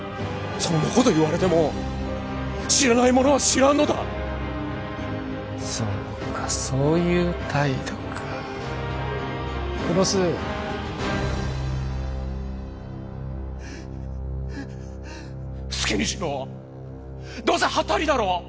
そんなこと言われても知らないものは知らんのだそうかそういう態度か黒須好きにしろどうせハッタリだろ？